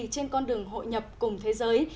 trên con đường hội nhập cùng thế giới